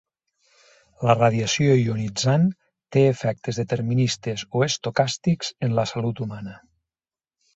La radiació ionitzant té efectes deterministes o estocàstics en la salut humana.